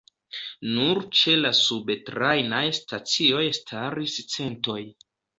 Nur ĉe la subtrajnaj stacioj staris centoj.